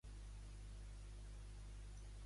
Mas, en relació a Madrid, què esmenta?